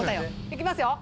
いきますよ。